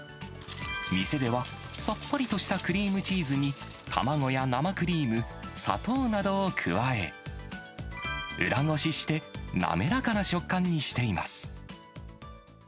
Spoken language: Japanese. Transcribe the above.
店では、さっぱりとしたクリームチーズに、卵や生クリーム、砂糖などを加え、裏ごしして滑らかな食感にしています。